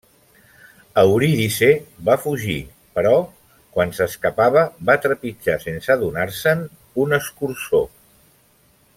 Eurídice va fugir, però quan s'escapava va trepitjar sense adonar-se'n un escurçó.